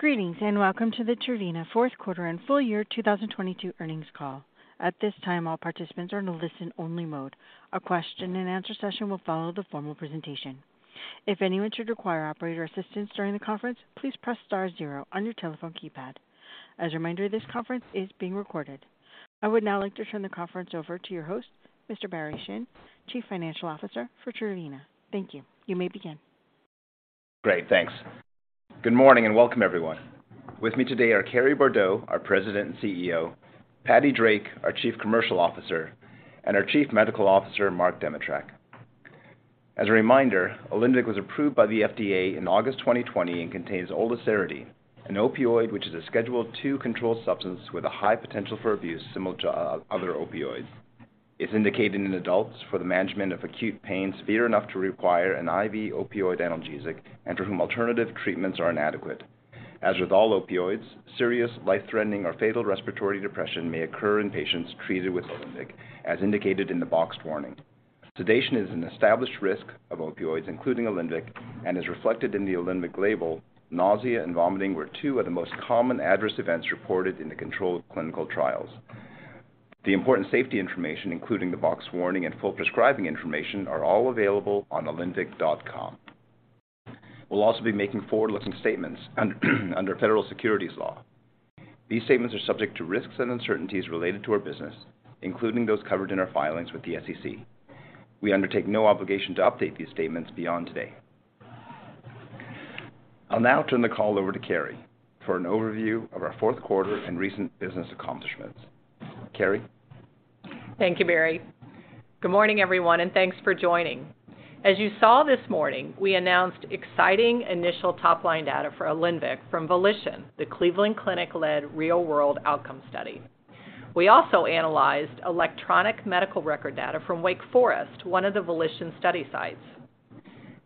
Greetings, welcome to the Trevena fourth quarter and full year 2022 earnings call. At this time, all participants are in listen-only mode. A question-and-answer session will follow the formal presentation. If anyone should require operator assistance during the conference, please press star zero on your telephone keypad. As a reminder, this conference is being recorded. I would now like to turn the conference over to your host, Mr. Barry Shin, Chief Financial Officer for Trevena. Thank you. You may begin. Great. Thanks. Good morning, welcome everyone. With me today are Carrie Bourdow, our President and CEO, Patricia Drake, our Chief Commercial Officer, and our Chief Medical Officer, Mark Demitrack. As a reminder, OLINVYK was approved by the FDA in August 2020 and contains oliceridine, an opioid which is a Schedule II controlled substance with a high potential for abuse similar to other opioids. It's indicated in adults for the management of acute pain severe enough to require an IV opioid analgesic and for whom alternative treatments are inadequate. As with all opioids, serious life-threatening or fatal respiratory depression may occur in patients treated with OLINVYK, as indicated in the boxed warning. Sedation is an established risk of opioids, including OLINVYK, and is reflected in the OLINVYK label. Nausea and vomiting were two of the most common adverse events reported in the controlled clinical trials. The important safety information, including the box warning and full prescribing information, are all available on OLINVYK.com. We'll also be making forward-looking statements under federal securities law. These statements are subject to risks and uncertainties related to our business, including those covered in our filings with the SEC. We undertake no obligation to update these statements beyond today. I'll now turn the call over to Carrie for an overview of our fourth quarter and recent business accomplishments. Carrie? Thank you, Barry. Good morning, everyone, and thanks for joining. As you saw this morning, we announced exciting initial top-line data for OLINVYK from VOLITION, the Cleveland Clinic-led real world outcome study. We also analyzed electronic medical record data from Wake Forest, one of the VOLITION study sites.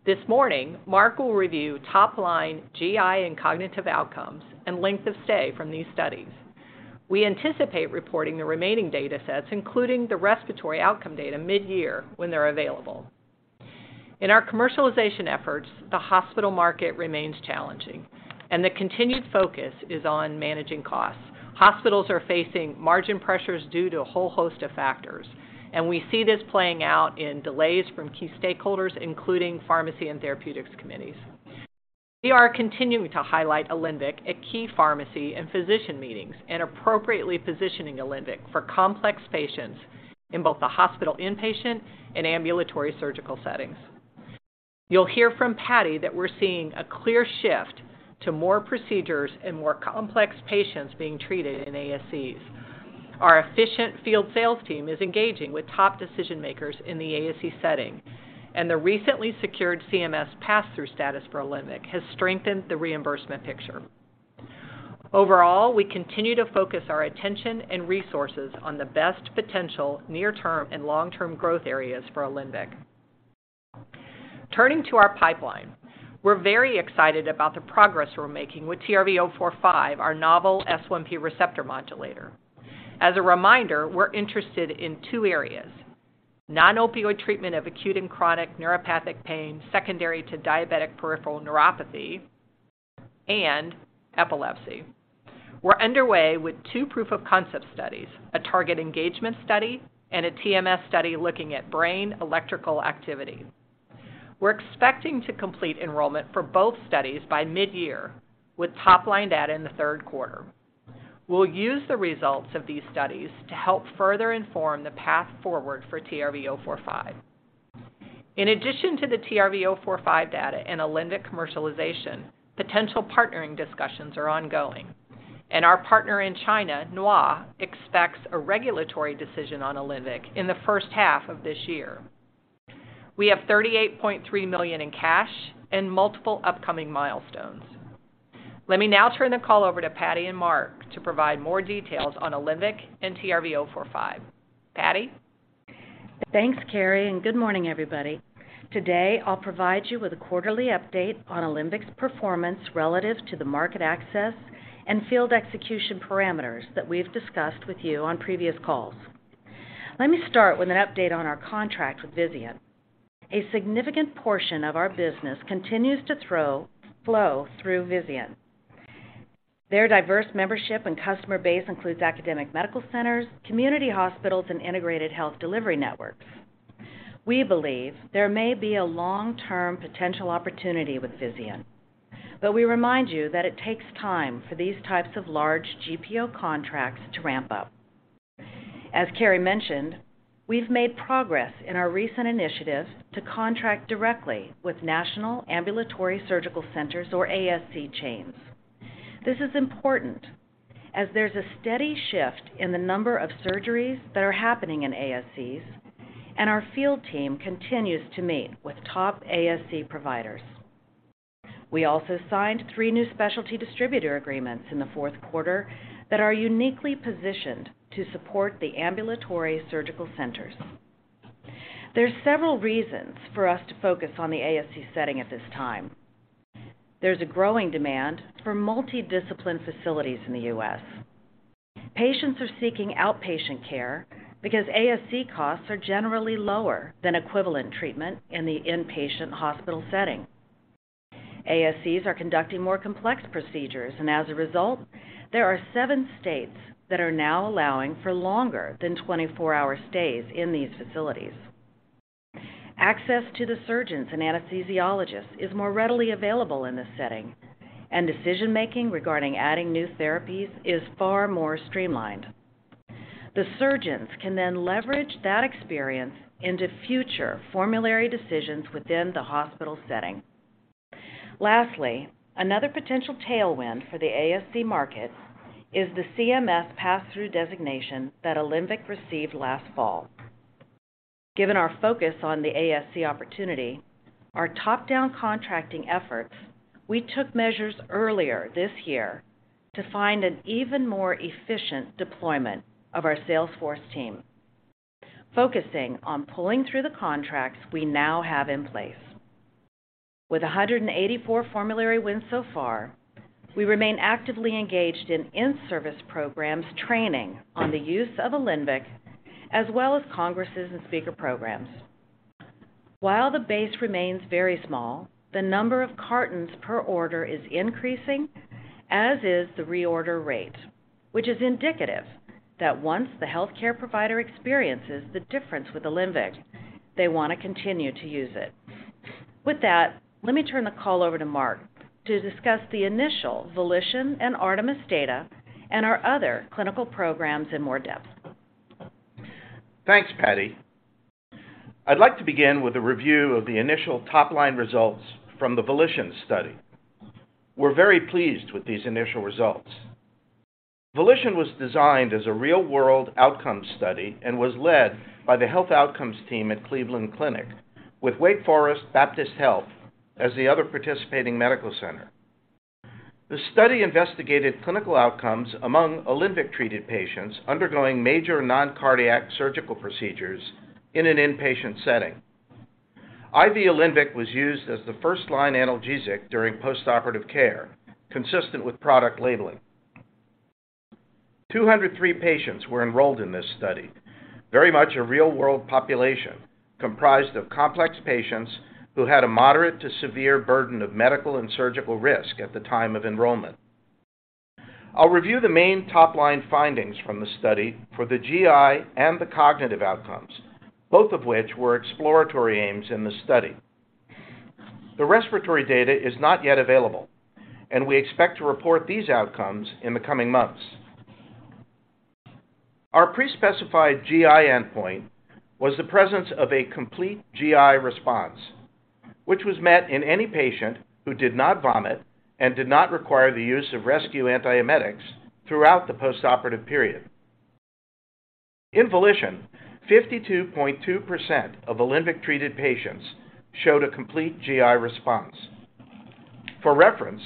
This morning, Mark will review top-line GI and cognitive outcomes and length of stay from these studies. We anticipate reporting the remaining datasets, including the respiratory outcome data, mid-year when they're available. In our commercialization efforts, the hospital market remains challenging and the continued focus is on managing costs. Hospitals are facing margin pressures due to a whole host of factors, and we see this playing out in delays from key stakeholders, including pharmacy and therapeutics committees. We are continuing to highlight OLINVYK at key pharmacy and physician meetings and appropriately positioning OLINVYK for complex patients in both the hospital inpatient and ambulatory surgical settings. You'll hear from Patty that we're seeing a clear shift to more procedures and more complex patients being treated in ASCs. Our efficient field sales team is engaging with top decision-makers in the ASC setting. The recently secured CMS pass-through status for OLINVYK has strengthened the reimbursement picture. Overall, we continue to focus our attention and resources on the best potential near-term and long-term growth areas for OLINVYK. Turning to our pipeline, we're very excited about the progress we're making with TRV045, our novel S1P receptor modulator. As a reminder, we're interested in two areas: non-opioid treatment of acute and chronic neuropathic pain secondary to diabetic peripheral neuropathy and epilepsy. We're underway with two proof of concept studies, a target engagement study, and a TMS study looking at brain electrical activity. We're expecting to complete enrollment for both studies by mid-year with top-line data in the third quarter. We'll use the results of these studies to help further inform the path forward for TRV045. In addition to the TRV045 data and OLINVYK commercialization, potential partnering discussions are ongoing, and our partner in China, Nhwa, expects a regulatory decision on OLINVYK in the first half of this year. We have $38.3 million in cash and multiple upcoming milestones. Let me now turn the call over to Patty and Mark to provide more details on OLINVYK and TRV045. Patty? Thanks, Carrie. Good morning, everybody. Today, I'll provide you with a quarterly update on OLINVYK's performance relative to the market access and field execution parameters that we've discussed with you on previous calls. Let me start with an update on our contract with Vizient. A significant portion of our business continues to flow through Vizient. Their diverse membership and customer base includes academic medical centers, community hospitals, and integrated health delivery networks. We believe there may be a long-term potential opportunity with Vizient, we remind you that it takes time for these types of large GPO contracts to ramp up. As Carrie mentioned, we've made progress in our recent initiatives to contract directly with national ambulatory surgical centers or ASC chains. This is important as there's a steady shift in the number of surgeries that are happening in ASCs. Our field team continues to meet with top ASC providers. We also signed 3 new specialty distributor agreements in the fourth quarter that are uniquely positioned to support the ambulatory surgical centers. There are several reasons for us to focus on the ASC setting at this time. There's a growing demand for multi-discipline facilities in the U.S. Patients are seeking outpatient care because ASC costs are generally lower than equivalent treatment in the inpatient hospital setting. ASCs are conducting more complex procedures. As a result, there are seven states that are now allowing for longer than 24-hour stays in these facilities. Access to the surgeons and anesthesiologists is more readily available in this setting. Decision-making regarding adding new therapies is far more streamlined. The surgeons can leverage that experience into future formulary decisions within the hospital setting. Lastly, another potential tailwind for the ASC market is the CMS pass-through designation that OLINVYK received last fall. Given our focus on the ASC opportunity, our top-down contracting efforts, we took measures earlier this year to find an even more efficient deployment of our sales force team, focusing on pulling through the contracts we now have in place. With 184 formulary wins so far, we remain actively engaged in in-service programs training on the use of OLINVYK, as well as congresses and speaker programs. While the base remains very small, the number of cartons per order is increasing, as is the reorder rate, which is indicative that once the healthcare provider experiences the difference with OLINVYK, they want to continue to use it. With that, let me turn the call over to Mark to discuss the initial VOLITION and ARTEMIS data and our other clinical programs in more depth. Thanks, Patty. I'd like to begin with a review of the initial top-line results from the VOLITION study. We're very pleased with these initial results. VOLITION was designed as a real-world outcome study and was led by the health outcomes team at Cleveland Clinic with Wake Forest Baptist Health as the other participating medical center. The study investigated clinical outcomes among OLINVYK-treated patients undergoing major non-cardiac surgical procedures in an inpatient setting. IV OLINVYK was used as the first-line analgesic during postoperative care, consistent with product labeling. 203 patients were enrolled in this study, very much a real-world population comprised of complex patients who had a moderate to severe burden of medical and surgical risk at the time of enrollment. I'll review the main top-line findings from the study for the GI and the cognitive outcomes, both of which were exploratory aims in the study. The respiratory data is not yet available, and we expect to report these outcomes in the coming months. Our pre-specified GI endpoint was the presence of a complete GI response, which was met in any patient who did not vomit and did not require the use of rescue antiemetics throughout the postoperative period. In VOLITION, 52.2% of OLINVYK-treated patients showed a complete GI response. For reference,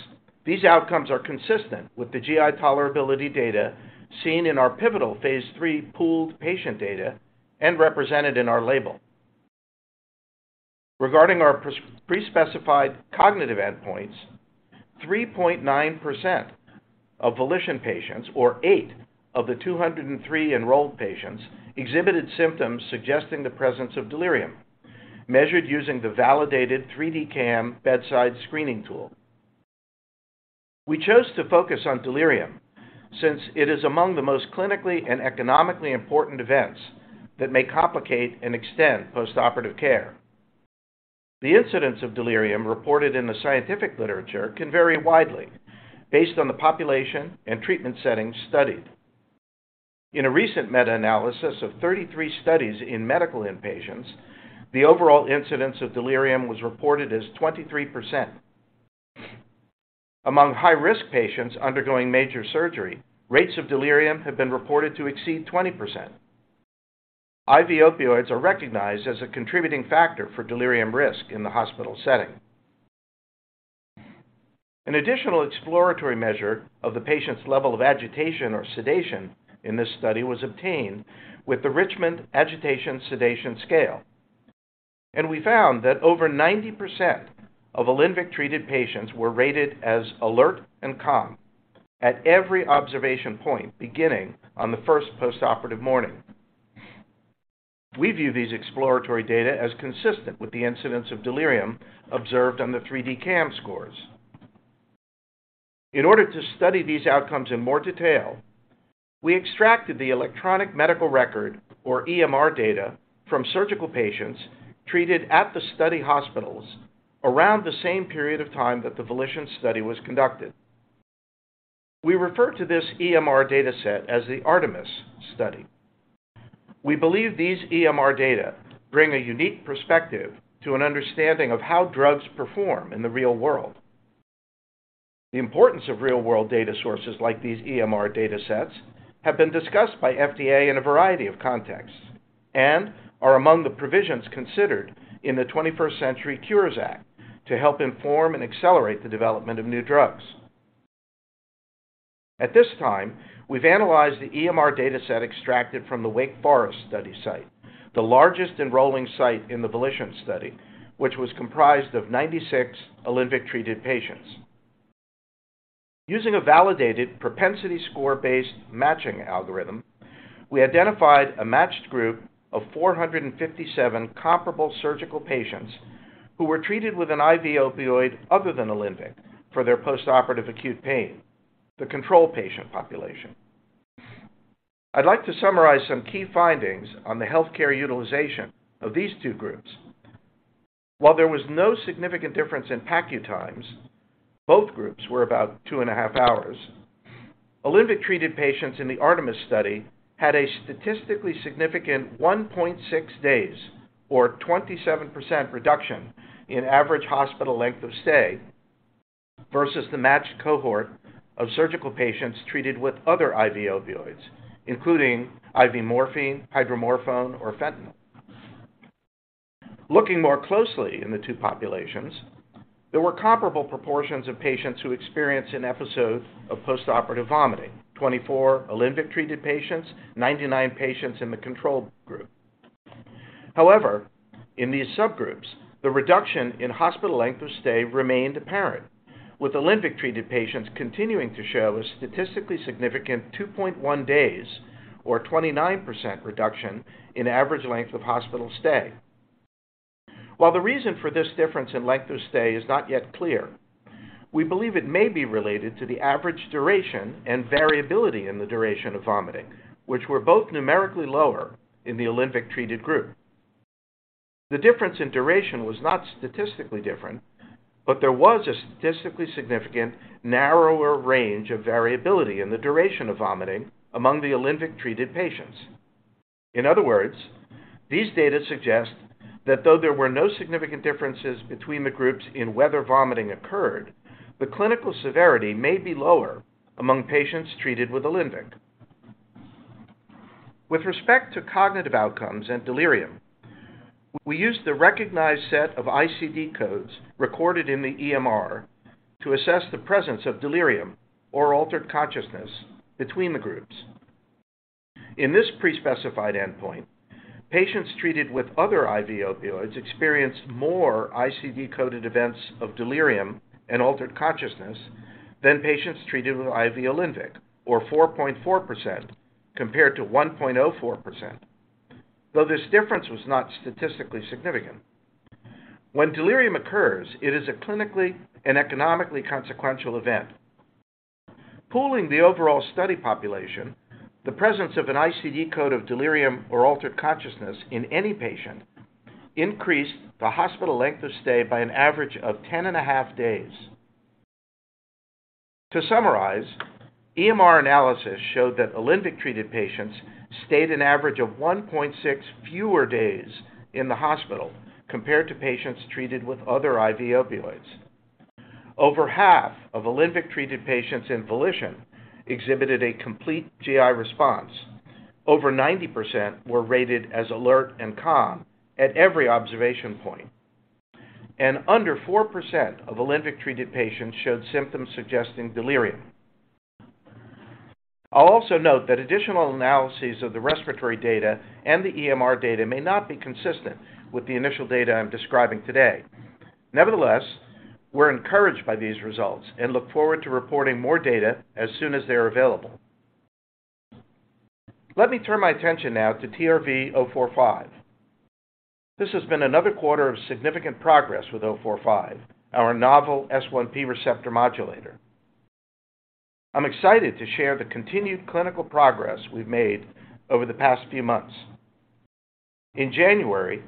these outcomes are consistent with the GI tolerability data seen in our pivotal phase III pooled patient data and represented in our label. Regarding our pre-specified cognitive endpoints, 3.9% of VOLITION patients, or eight of the 203 enrolled patients, exhibited symptoms suggesting the presence of delirium measured using the validated 3D-CAM bedside screening tool. We chose to focus on delirium since it is among the most clinically and economically important events that may complicate and extend postoperative care. The incidence of delirium reported in the scientific literature can vary widely based on the population and treatment settings studied. In a recent meta-analysis of 33 studies in medical inpatients, the overall incidence of delirium was reported as 23%. Among high-risk patients undergoing major surgery, rates of delirium have been reported to exceed 20%. IV opioids are recognized as a contributing factor for delirium risk in the hospital setting. An additional exploratory measure of the patient's level of agitation or sedation in this study was obtained with the Richmond Agitation-Sedation Scale. We found that over 90% of OLINVYK-treated patients were rated as alert and calm at every observation point beginning on the first postoperative morning. We view these exploratory data as consistent with the incidence of delirium observed on the 3D-CAM scores. In order to study these outcomes in more detail, we extracted the electronic medical record, or EMR, data from surgical patients treated at the study hospitals around the same period of time that the VOLITION study was conducted. We refer to this EMR data set as the ARTEMIS study. We believe these EMR data bring a unique perspective to an understanding of how drugs perform in the real world. The importance of real-world data sources like these EMR data sets have been discussed by FDA in a variety of contexts and are among the provisions considered in the 21st Century Cures Act to help inform and accelerate the development of new drugs. At this time, we've analyzed the EMR data set extracted from the Wake Forest study site, the largest enrolling site in the VOLITION study, which was comprised of 96 OLINVYK-treated patients. Using a validated propensity score-based matching algorithm, we identified a matched group of 457 comparable surgical patients who were treated with an IV opioid other than OLINVYK for their postoperative acute pain, the control patient population. I'd like to summarize some key findings on the healthcare utilization of these two groups. While there was no significant difference in PACU times, both groups were about two and a half hours. OLINVYK-treated patients in the ARTEMIS study had a statistically significant 1.6 days or 27% reduction in average hospital length of stay versus the matched cohort of surgical patients treated with other IV opioids, including IV morphine, hydromorphone, or fentanyl. Looking more closely in the two populations, there were comparable proportions of patients who experienced an episode of postoperative vomiting, 24 OLINVYK-treated patients, 99 patients in the control group. However, in these subgroups, the reduction in hospital length of stay remained apparent, with OLINVYK-treated patients continuing to show a statistically significant 2.1 days or 29% reduction in average length of hospital stay. While the reason for this difference in length of stay is not yet clear, we believe it may be related to the average duration and variability in the duration of vomiting, which were both numerically lower in the OLINVYK-treated group. The difference in duration was not statistically different, but there was a statistically significant narrower range of variability in the duration of vomiting among the OLINVYK-treated patients. These data suggest that though there were no significant differences between the groups in whether vomiting occurred, the clinical severity may be lower among patients treated with OLINVYK. With respect to cognitive outcomes and delirium, we used the recognized set of ICD codes recorded in the EMR to assess the presence of delirium or altered consciousness between the groups. In this pre-specified endpoint, patients treated with other IV opioids experienced more ICD-coded events of delirium and altered consciousness than patients treated with IV OLINVYK, or 4.4% compared to 1.04%, though this difference was not statistically significant. When delirium occurs, it is a clinically and economically consequential event. Pooling the overall study population, the presence of an ICD code of delirium or altered consciousness in any patient increased the hospital length of stay by an average of 10.5 days. To summarize, EMR analysis showed that OLINVYK-treated patients stayed an average of 1.6 fewer days in the hospital compared to patients treated with other IV opioids. Over half of OLINVYK-treated patients in VOLITION exhibited a complete GI response. Over 90% were rated as alert and calm at every observation point. Under 4% of OLINVYK-treated patients showed symptoms suggesting delirium. I'll also note that additional analyses of the respiratory data and the EMR data may not be consistent with the initial data I'm describing today. Nevertheless, we're encouraged by these results and look forward to reporting more data as soon as they are available. Let me turn my attention now to TRV045. This has been another quarter of significant progress with 045, our novel S1P receptor modulator. I'm excited to share the continued clinical progress we've made over the past few months. In January,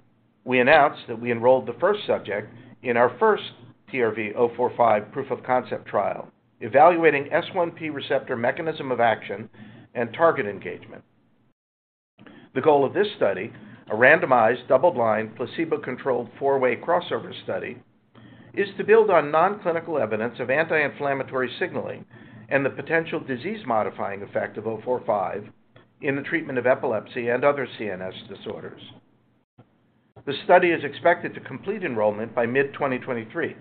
we announced that we enrolled the first subject in our first TRV045 proof-of-concept trial, evaluating S1P receptor mechanism of action and target engagement. The goal of this study, a randomized, double-blind, placebo-controlled, four-way crossover study, is to build on nonclinical evidence of anti-inflammatory signaling and the potential disease-modifying effect of 045 in the treatment of epilepsy and other CNS disorders. The study is expected to complete enrollment by mid-2023.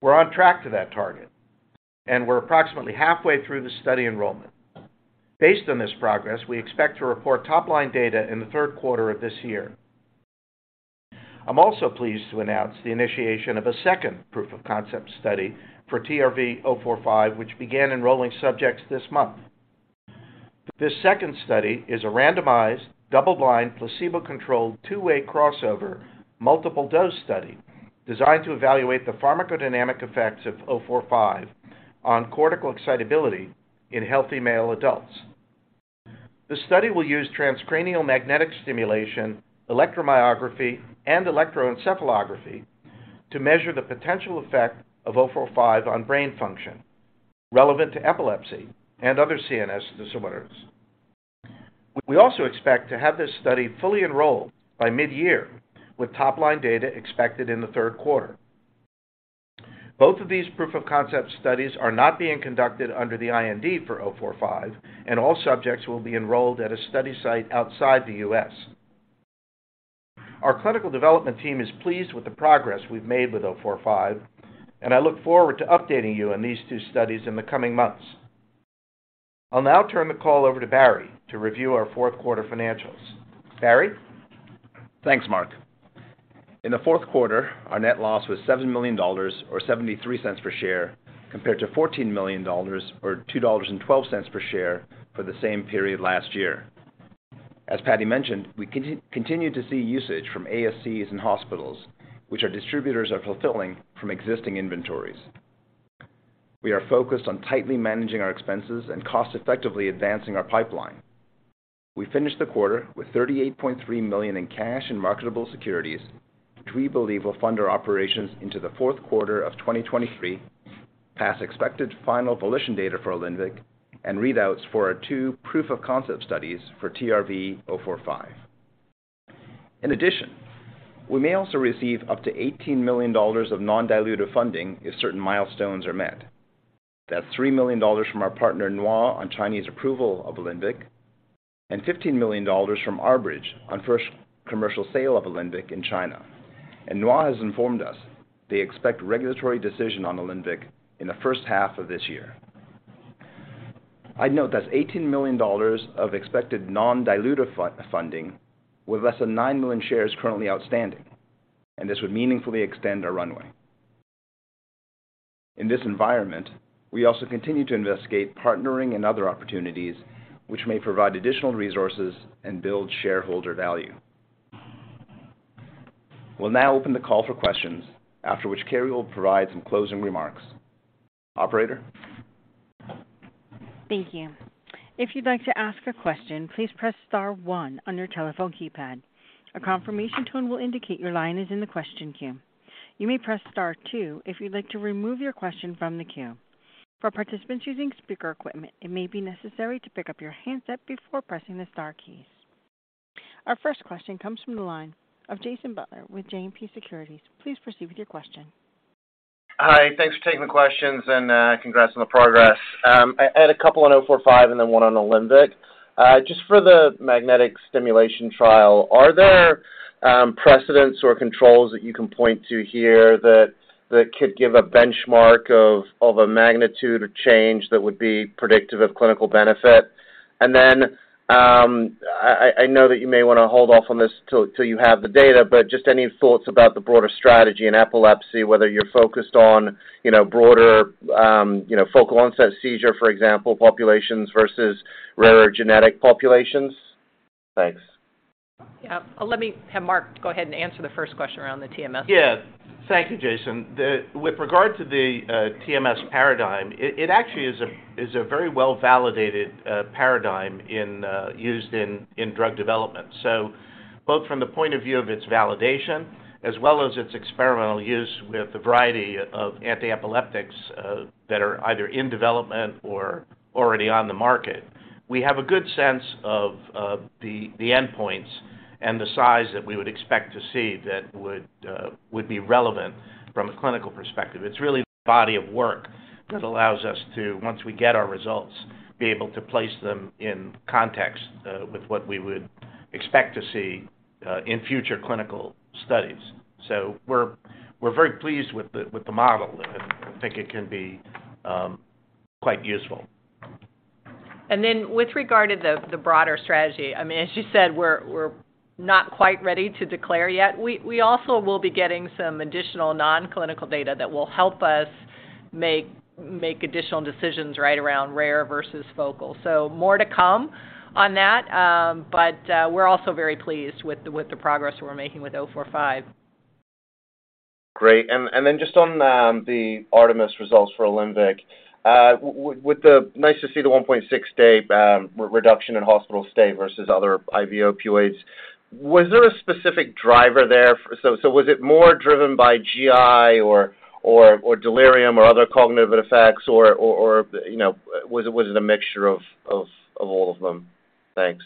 We're on track to that target, and we're approximately halfway through the study enrollment. Based on this progress, we expect to report top-line data in the third quarter of this year. I'm also pleased to announce the initiation of a second proof-of-concept study for TRV045, which began enrolling subjects this month. This second study is a randomized, double-blind, placebo-controlled, two-way crossover multiple-dose study designed to evaluate the pharmacodynamic effects of 045 on cortical excitability in healthy male adults. The study will use transcranial magnetic stimulation, electromyography, and electroencephalography to measure the potential effect of 045 on brain function relevant to epilepsy and other CNS disorders. We also expect to have this study fully enrolled by mid-year, with top-line data expected in the third quarter. Both of these proof-of-concept studies are not being conducted under the IND for 045, and all subjects will be enrolled at a study site outside the U.S. Our clinical development team is pleased with the progress we've made with 045. I look forward to updating you on these two studies in the coming months. I'll now turn the call over to Barry to review our fourth quarter financials. Barry? Thanks, Mark. In the fourth quarter, our net loss was $7 million or $0.73 per share, compared to $14 million or $2.12 per share for the same period last year. As Patty mentioned, we continue to see usage from ASCs and hospitals, which our distributors are fulfilling from existing inventories. We are focused on tightly managing our expenses and cost-effectively advancing our pipeline. We finished the quarter with $38.3 million in cash and marketable securities, which we believe will fund our operations into the fourth quarter of 2023, pass expected final VOLITION data for OLINVYK, and readouts for our two proof of concept studies for TRV045. In addition, we may also receive up to $18 million of non-dilutive funding if certain milestones are met. That's $3 million from our partner, Nhwa, on Chinese approval of OLINVYK, and $15 million from R-Bridge on first commercial sale of OLINVYK in China. Nhwa has informed us they expect regulatory decision on OLINVYK in the first half of this year. I'd note that's $18 million of expected non-dilutive funding with less than 9 million shares currently outstanding, and this would meaningfully extend our runway. In this environment, we also continue to investigate partnering and other opportunities which may provide additional resources and build shareholder value. We'll now open the call for questions, after which Carrie will provide some closing remarks. Operator? Thank you. If you'd like to ask a question, please press star one on your telephone keypad. A confirmation tone will indicate your line is in the question queue. You may press star two if you'd like to remove your question from the queue. For participants using speaker equipment, it may be necessary to pick up your handset before pressing the star keys. Our first question comes from the line of Jason Butler with JMP Securities. Please proceed with your question. Hi. Thanks for taking the questions, and congrats on the progress. I had a couple on TRV045 and then one on OLINVYK. Just for the magnetic stimulation trial, are there precedents or controls that you can point to here that could give a benchmark of a magnitude or change that would be predictive of clinical benefit? Then, I know that you may want to hold off on this till you have the data, but just any thoughts about the broader strategy in epilepsy, whether you're focused on, you know, broader, you know, focal onset seizure, for example, populations versus rarer genetic populations? Thanks. Yeah. Let me have Mark go ahead and answer the first question around the TMS. Yeah. Thank you, Jason. With regard to the TMS paradigm, it actually is a very well-validated paradigm in used in drug development. Both from the point of view of its validation as well as its experimental use with a variety of anti-epileptics that are either in development or already on the market, we have a good sense of the endpoints and the size that we would expect to see that would be relevant from a clinical perspective. It's really the body of work that allows us to, once we get our results, be able to place them in context with what we would expect to see in future clinical studies. We're very pleased with the model. I think it can be quite useful. With regard to the broader strategy, I mean, as you said, we're not quite ready to declare yet. We also will be getting some additional non-clinical data that will help us make additional decisions right around rare versus focal. More to come on that. We're also very pleased with the progress we're making with TRV045. Great. Just on the ARTEMIS results for OLINVYK, nice to see the 1.6-day reduction in hospital stay versus other IV opioids. Was there a specific driver there? Was it more driven by GI or delirium or other cognitive effects or, you know, was it a mixture of all of them? Thanks.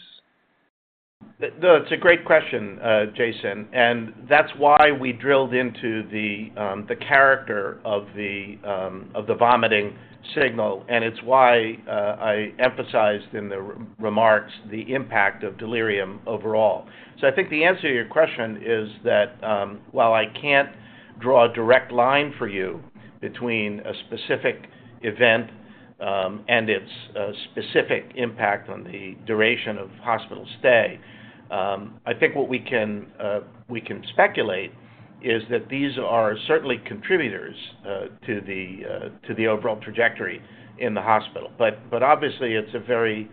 No, it's a great question, Jason Butler, and that's why we drilled into the character of the vomiting signal, and it's why I emphasized in the re-remarks the impact of delirium overall. I think the answer to your question is that while I can't draw a direct line for you between a specific event and its specific impact on the duration of hospital stay, I think what we can speculate is that these are certainly contributors to the overall trajectory in the hospital. Obviously, it's a very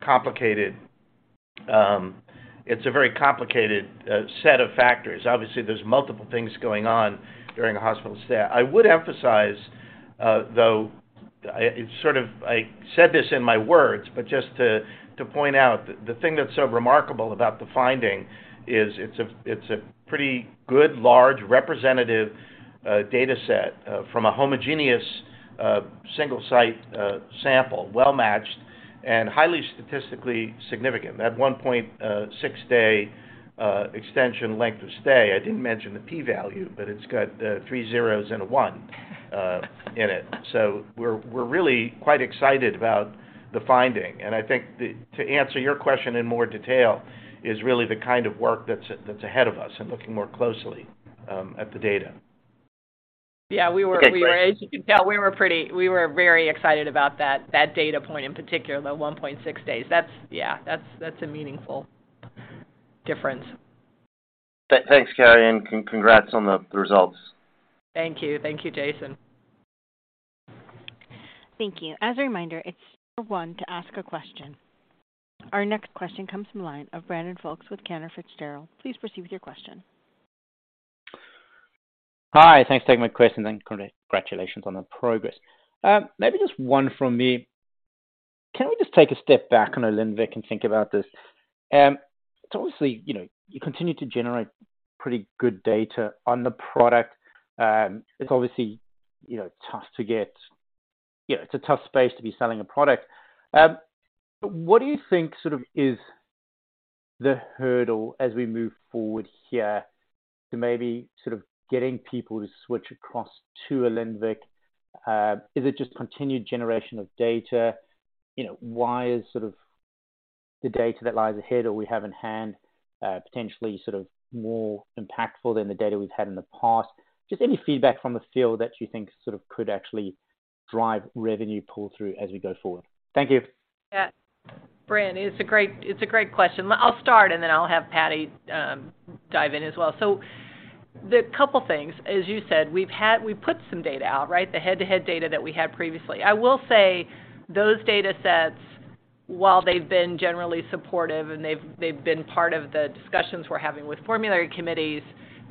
complicated set of factors. Obviously, there's multiple things going on during a hospital stay. I would emphasize, though I said this in my words, but just to point out, the thing that's so remarkable about the finding is it's a pretty good, large, representative data set from a homogeneous, single site sample, well-matched and highly statistically significant. That 1.6-day extension length of stay, I didn't mention the P value, but it's got three zeros and a one in it. We're really quite excited about The finding, and I think to answer your question in more detail, is really the kind of work that's ahead of us and looking more closely at the data. Yeah. Okay, great. As you can tell, we were very excited about that data point, in particular, the 1.6 days. That's, yeah, that's a meaningful difference. Thanks, Carrie, and congrats on the results. Thank you. Thank you, Jason. Thank you. As a reminder, it's star one to ask a question. Our next question comes from the line of Brandon Folkes with Cantor Fitzgerald. Please proceed with your question. Hi. Thanks for taking my question, and congratulations on the progress. Maybe just one from me. Can we just take a step back on OLINVYK and think about this? It's obviously, you know, you continue to generate pretty good data on the product. It's obviously, you know, it's a tough space to be selling a product. What do you think sort of is the hurdle as we move forward here to maybe sort of getting people to switch across to OLINVYK? Is it just continued generation of data? Why is sort of the data that lies ahead or we have in hand, potentially sort of more impactful than the data we've had in the past? Any feedback from the field that you think sort of could actually drive revenue pull-through as we go forward. Thank you. Yeah. Brandon, it's a great question. I'll start, and then I'll have Patty dive in as well. The couple things, as you said, we put some data out, right? The head-to-head data that we had previously. I will say those datasets, while they've been generally supportive, and they've been part of the discussions we're having with formulary committees,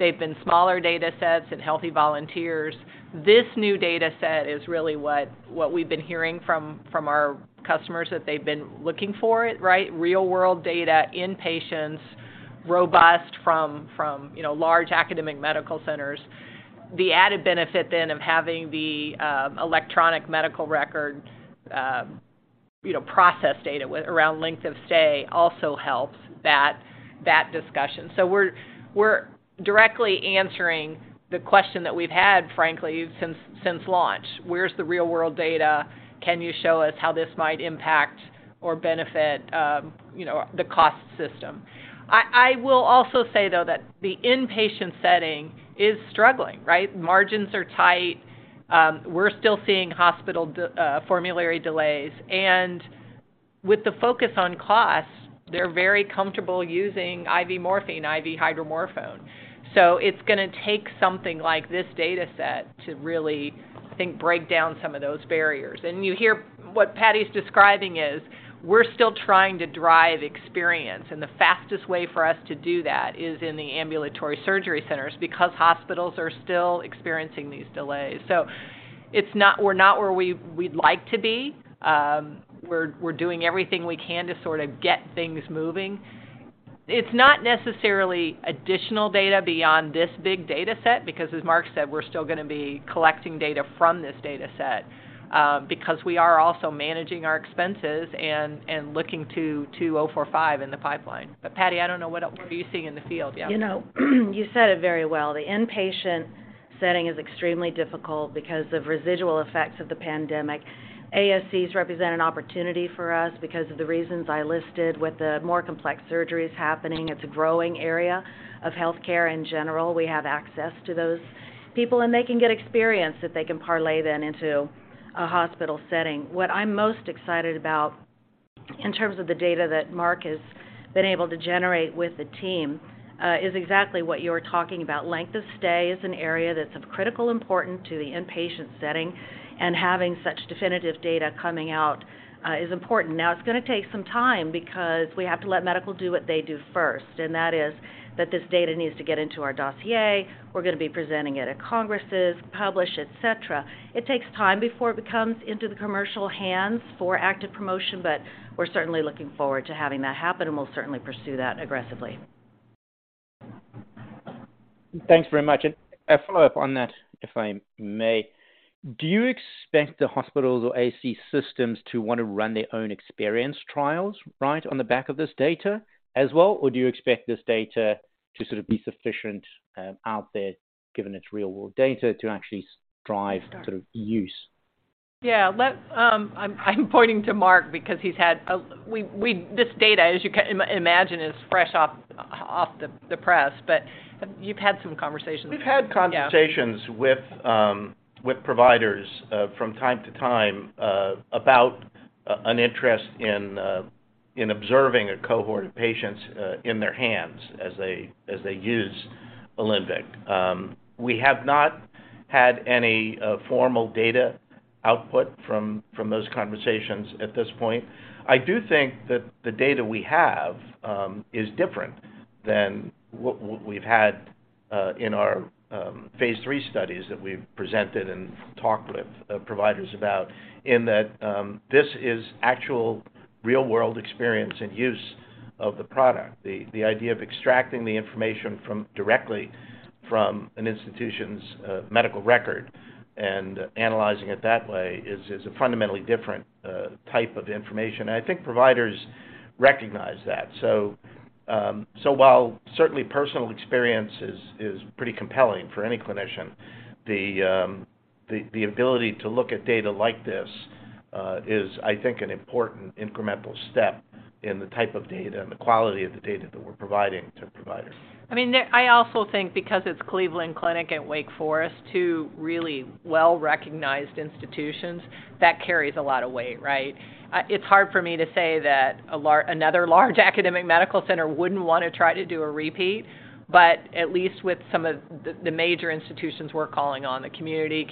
they've been smaller datasets and healthy volunteers. This new dataset is really what we've been hearing from our customers that they've been looking for it, right? Real-world data in patients, robust from, you know, large academic medical centers. The added benefit then of having the electronic medical record, you know, process data around length of stay also helps that discussion. We're directly answering the question that we've had, frankly, since launch. Where's the real-world data? Can you show us how this might impact or benefit, you know, the cost system? I will also say, though, that the inpatient setting is struggling, right? Margins are tight. We're still seeing hospital formulary delays. With the focus on cost, they're very comfortable using IV morphine, IV hydromorphone. It's gonna take something like this dataset to really, I think, break down some of those barriers. You hear what Patty's describing is we're still trying to drive experience, and the fastest way for us to do that is in the ambulatory surgery centers because hospitals are still experiencing these delays. We're not where we'd like to be. We're, we're doing everything we can to sort of get things moving. It's not necessarily additional data beyond this big dataset because, as Mark said, we're still gonna be collecting data from this dataset, because we are also managing our expenses and looking to TRV045 in the pipeline. Patty, I don't know what else. What are you seeing in the field? Yeah. You know, you said it very well. The inpatient setting is extremely difficult because of residual effects of the pandemic. ASCs represent an opportunity for us because of the reasons I listed with the more complex surgeries happening. It's a growing area of healthcare in general. We have access to those people, and they can get experience that they can parlay then into a hospital setting. What I'm most excited about in terms of the data that Mark has been able to generate with the team, is exactly what you're talking about. Length of stay is an area that's of critical importance to the inpatient setting, and having such definitive data coming out, is important. Now it's gonna take some time because we have to let medical do what they do first, and that is that this data needs to get into our dossier. We're gonna be presenting it at congresses, publish, et cetera. It takes time before it becomes into the commercial hands for active promotion. We're certainly looking forward to having that happen. We'll certainly pursue that aggressively. Thanks very much. A follow-up on that, if I may. Do you expect the hospitals or ASC systems to want to run their own experience trials right on the back of this data as well? Do you expect this data to sort of be sufficient out there given its real-world data to actually drive sort of use? Yeah. I'm pointing to Mark because he's had this data, as you imagine, is fresh off the press, but you've had some conversations. We've had conversations. Yeah. With providers, from time to time, about an interest in observing a cohort of patients in their hands as they use OLINVYK. We have not had any formal data output from those conversations at this point. I do think that the data we have is different than what we've had in our phase III studies that we've presented and talked with providers about, in that, this is actual real-world experience and use of the product. The idea of extracting the information directly from an institution's medical record and analyzing it that way is a fundamentally different type of information. I think providers recognize that. While certainly personal experience is pretty compelling for any clinician. The ability to look at data like this is I think an important incremental step in the type of data and the quality of the data that we're providing to providers. I mean, I also think because it's Cleveland Clinic and Wake Forest, two really well-recognized institutions, that carries a lot of weight, right? It's hard for me to say that another large academic medical center wouldn't wanna try to do a repeat. At least with some of the major institutions we're calling on, the community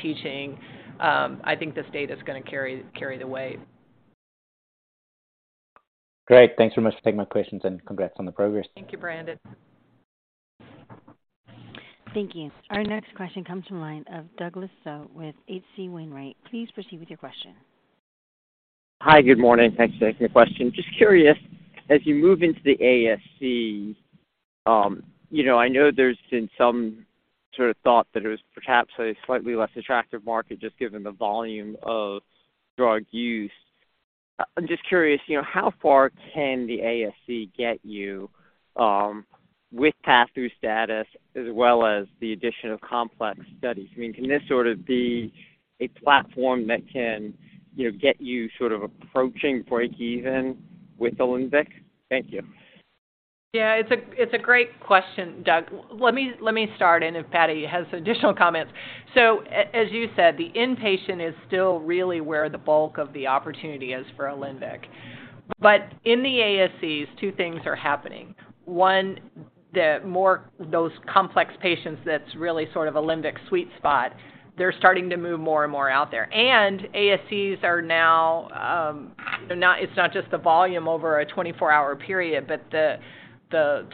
teaching, I think this data is gonna carry the weight. Great. Thanks very much for taking my questions. Congrats on the progress. Thank you, Brandon. Thank you. Our next question comes from line of Douglas Tsao with H.C. Wainwright. Please proceed with your question. Hi. Good morning. Thanks for taking the question. Just curious, as you move into the ASC, you know, I know there's been some sort of thought that it was perhaps a slightly less attractive market just given the volume of drug use. I'm just curious, you know, how far can the ASC get you, with passthrough status as well as the addition of complex studies? I mean, can this sort of be a platform that can, you know, get you sort of approaching breakeven with OLINVYK? Thank you. Yeah. It's a great question, Doug. Let me start, and if Patty has additional comments. As you said, the inpatient is still really where the bulk of the opportunity is for OLINVYK. In the ASCs, two things are happening. One, those complex patients that's really sort of OLINVYK's sweet spot, they're starting to move more and more out there. ASCs are now. It's not just the volume over a 24-hour period, but the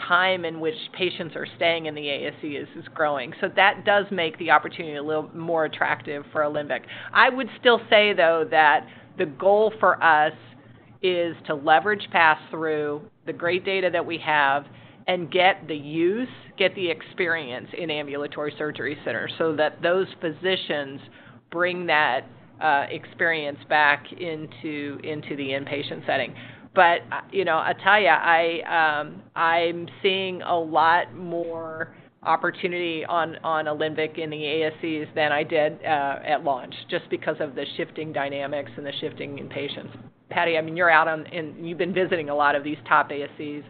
time in which patients are staying in the ASC is growing. That does make the opportunity a little more attractive for OLINVYK. I would still say, though, that the goal for us is to leverage passthrough the great data that we have and get the use, get the experience in ambulatory surgery centers so that those physicians bring that experience back into the inpatient setting. You know, I'll tell you, I'm seeing a lot more opportunity on OLINVYK in the ASCs than I did at launch just because of the shifting dynamics and the shifting in patients. Patty, I mean, you're out and you've been visiting a lot of these top ASCs.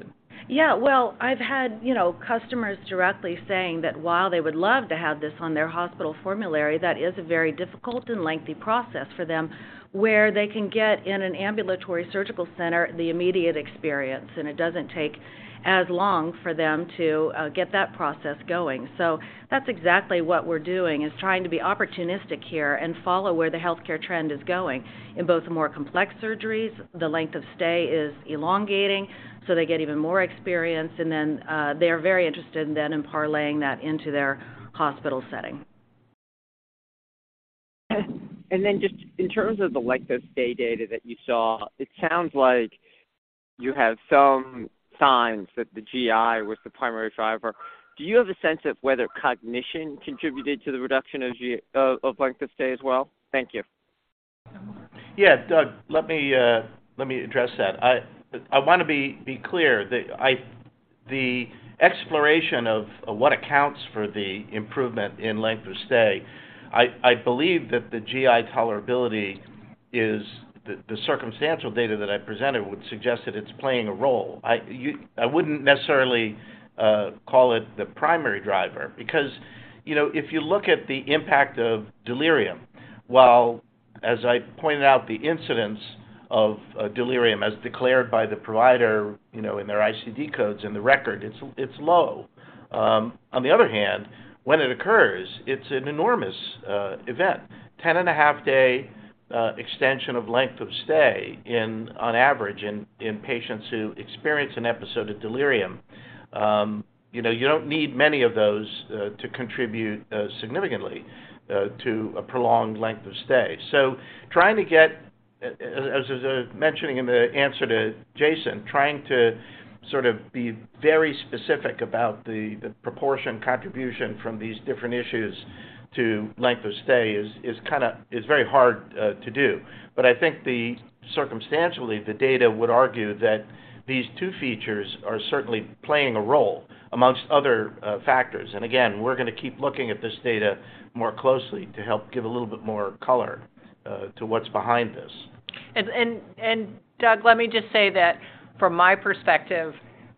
Well, I've had, you know, customers directly saying that while they would love to have this on their hospital formulary, that is a very difficult and lengthy process for them, where they can get in an ambulatory surgical center the immediate experience, and it doesn't take as long for them to get that process going. That's exactly what we're doing, is trying to be opportunistic here and follow where the healthcare trend is going. In both more complex surgeries, the length of stay is elongating, so they get even more experience, and then, they're very interested then in parlaying that into their hospital setting. Just in terms of the length of stay data that you saw, it sounds like you have some signs that the GI was the primary driver. Do you have a sense of whether cognition contributed to the reduction of length of stay as well? Thank you. Yeah. Doug, let me address that. I wanna be clear that the exploration of what accounts for the improvement in length of stay, I believe that the GI tolerability is the circumstantial data that I presented would suggest that it's playing a role. I wouldn't necessarily call it the primary driver because, you know, if you look at the impact of delirium. While as I pointed out the incidence of delirium as declared by the provider, you know, in their ICD codes in the record, it's low. On the other hand, when it occurs, it's an enormous event, 10-and-a-half-day extension of length of stay on average in patients who experience an episode of delirium. You know, you don't need many of those to contribute significantly to a prolonged length of stay. Trying to get, as I was mentioning in the answer to Jason, trying to sort of be very specific about the proportion contribution from these different issues to length of stay is very hard to do. I think the circumstantially, the data would argue that these two features are certainly playing a role amongst other factors. Again, we're gonna keep looking at this data more closely to help give a little bit more color to what's behind this. Doug, let me just say that from my perspective,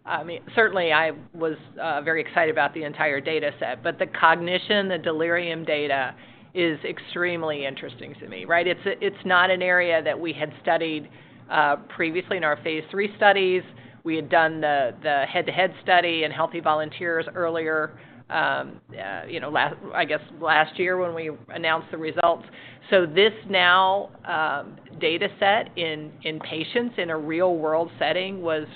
I mean, certainly I was very excited about the entire data set. The cognition, the delirium data is extremely interesting to me, right? It's not an area that we had studied previously in our phase III studies. We had done the head-to-head study in healthy volunteers earlier, you know, I guess last year when we announced the results. This now data set in patients in a real-world setting was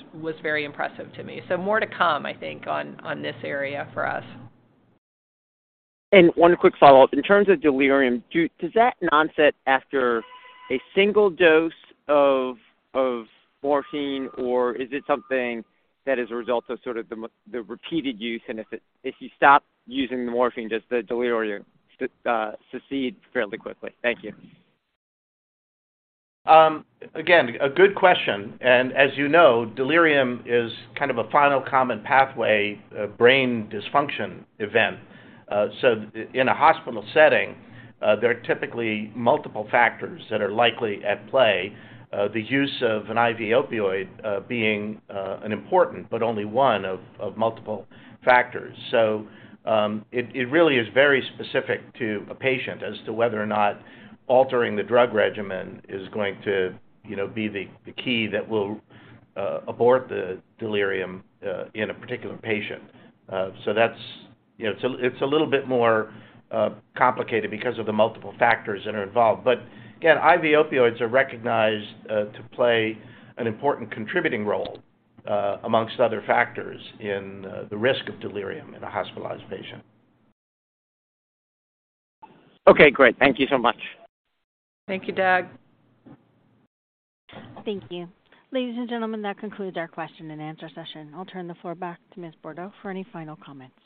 very impressive to me. More to come, I think, on this area for us. One quick follow-up. In terms of delirium, does that onset after a single dose of morphine, or is it something that is a result of sort of the repeated use? If you stop using the morphine, does the delirium secede fairly quickly? Thank you. Again, a good question. As you know, delirium is kind of a final common pathway, brain dysfunction event. In a hospital setting, there are typically multiple factors that are likely at play, the use of an IV opioid, being an important but only one of multiple factors. It really is very specific to a patient as to whether or not altering the drug regimen is going to, you know, be the key that will abort the delirium in a particular patient. That's, you know. It's a little bit more complicated because of the multiple factors that are involved. Again, IV opioids are recognized to play an important contributing role amongst other factors in the risk of delirium in a hospitalized patient. Okay, great. Thank you so much. Thank you, Doug. Thank you. Ladies and gentlemen, that concludes our question-and-answer session. I'll turn the floor back to Ms. Bourdow for any final comments.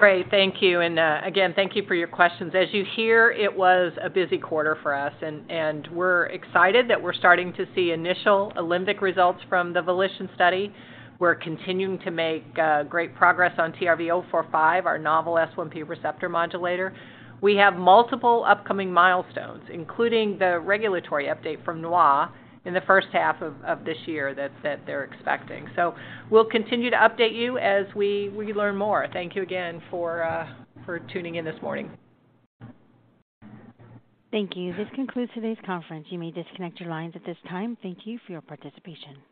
Great. Thank you. Again, thank you for your questions. As you hear, it was a busy quarter for us, and we're excited that we're starting to see initial OLINVYK results from the VOLITION study. We're continuing to make great progress on TRV045, our novel S1P receptor modulator. We have multiple upcoming milestones, including the regulatory update from Nhwa in the first half of this year that they're expecting. We'll continue to update you as we learn more. Thank you again for tuning in this morning. Thank you. This concludes today's conference. You may disconnect your lines at this time. Thank you for your participation.